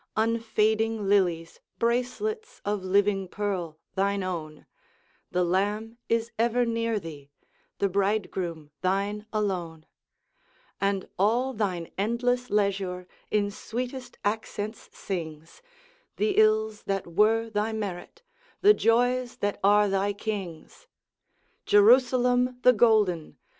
Unfading lilies, bracelets Of living pearl, thine own; The Lamb is ever near thee, The Bridegroom thine alone; And all thine endless leisure In sweetest accents sings The ills that were thy merit, The joys that are thy King's. Jerusalem the golden!